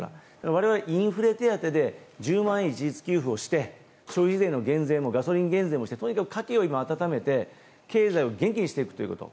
我々インフレ手当で１０万円一律給付をして消費税の減税もガソリン減税もして家計を温めて経済を元気にするということ。